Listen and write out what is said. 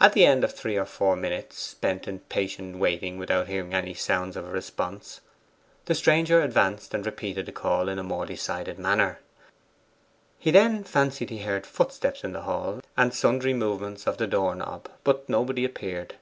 At the end of three or four minutes, spent in patient waiting without hearing any sounds of a response, the stranger advanced and repeated the call in a more decided manner. He then fancied he heard footsteps in the hall, and sundry movements of the door knob, but nobody appeared.